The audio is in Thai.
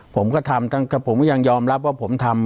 ผมก็ทำผมก็ยังยอมรับว่าผมทำ